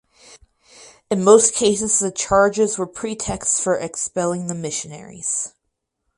In most cases the charges were pretexts for expelling the missionaries.